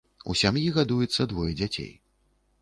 У сям'і гадуецца двое дзяцей.